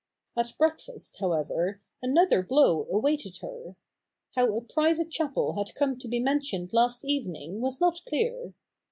At breakfast, however, another blow awaited her. How a private chapel had come to be mentioned last evening was not clear.